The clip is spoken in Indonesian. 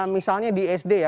misalnya di sd ya